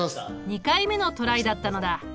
２回目のトライだったのだ。